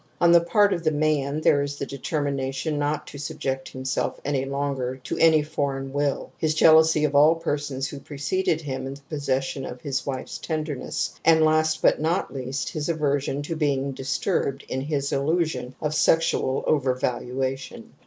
On the part of the man, there is the determination not to subject himself v. any longer to any foreign will, his jealousy of all / persons who preceded him in the possession of/ his wife's tenderness, and, last but not least, his ( aversion to being disturbed in his illusion of j sexual over valuation.